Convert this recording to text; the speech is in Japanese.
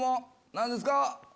何ですか？